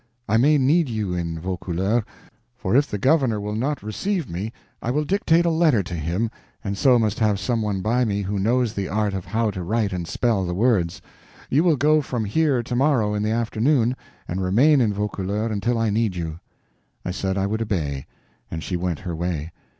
I may need you in Vaucouleurs; for if the governor will not receive me I will dictate a letter to him, and so must have some one by me who knows the art of how to write and spell the words. You will go from here to morrow in the afternoon, and remain in Vaucouleurs until I need you." I said I would obey, and she went her way.